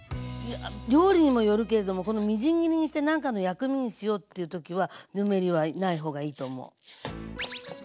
料理にもよるけれどもこのみじん切りにしてなんかの薬味にしようっていう時はぬめりはない方がいいと思う。